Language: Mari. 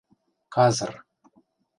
— Казыр...